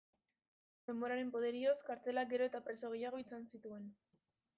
Denboraren poderioz, kartzelak gero eta preso gehiago izan zituen.